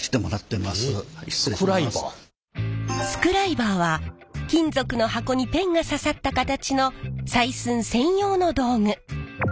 スクライバーは金属の箱にペンが刺さった形の採寸専用の道具。